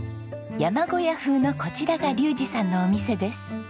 山小屋風のこちらが竜士さんのお店です。